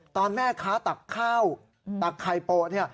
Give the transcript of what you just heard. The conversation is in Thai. ตอนแม่ค้าตักข้าวตักไข่โปะเนี่ย